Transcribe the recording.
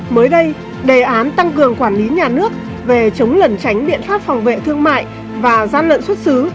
mới đây đề án tăng cường quản lý nhà nước về chống lẩn tránh biện pháp phòng vệ thương mại và gian lận xuất xứ